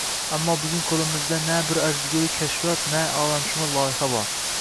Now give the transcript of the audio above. Ammo bugun qoʻlimizda na bir arzigulik kashfiyot, na olamshumul loyiha bor.